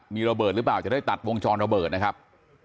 มีระเบิดหรือเปล่าจะได้ตัดวงจรระเบิดนะครับ